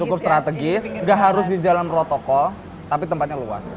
diukur strategis nggak harus di jalan protokol tapi tempatnya luas